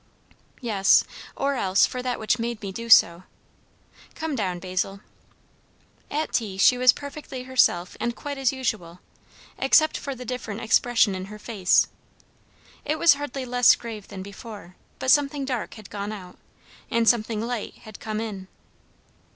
"Yes. Or else, for that which made me do so. Come down, Basil." At tea she was perfectly herself and quite as usual, except for the different expression in her face. It was hardly less grave than before, but something dark had gone out and something light had come in.